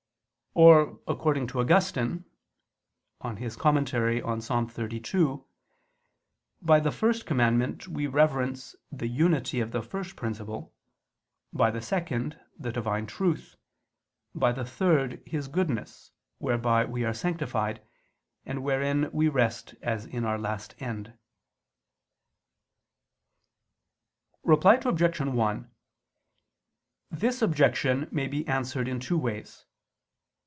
Or, according to Augustine (In Ps. 32: Conc. 1), by the first commandment we reverence the unity of the First Principle; by the second, the Divine truth; by the third, His goodness whereby we are sanctified, and wherein we rest as in our last end. Reply Obj. 1: This objection may be answered in two ways.